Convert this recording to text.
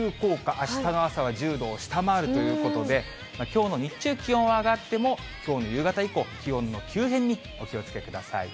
あしたの朝は１０度を下回るということで、きょうの日中、気温上がっても、きょうの夕方以降、気温の急変にお気をつけください。